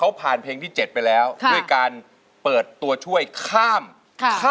ด้านล่างเขาก็มีความรักให้กันนั่งหน้าตาชื่นบานมากเลยนะคะ